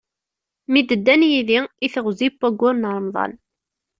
Mi d-ddan yidi i teɣzi n wayyur n Remḍan.